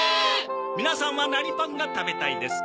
皆さんは何パンが食べたいですか？